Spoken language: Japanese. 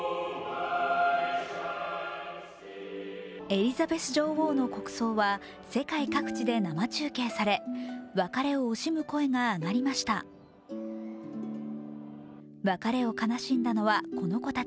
エリザベス女王の国葬は世界各地で生中継され別れを惜しむ声が上がりました。